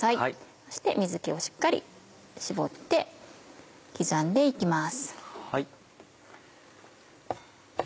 そして水気をしっかり絞って刻んで行きます。